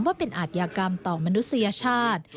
ว่าเป็นอาทยากรรมต่อมนุษยชาติ